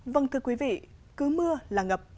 vâng thưa quý vị cứ mưa là ngập